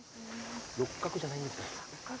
六角じゃないんですね。